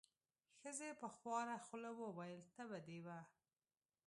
ښځې په خواره خوله وویل: تبه دې وه.